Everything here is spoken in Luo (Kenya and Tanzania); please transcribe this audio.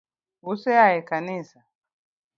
Use a e kanisa